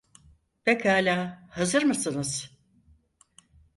Pekala, hazır mısınız?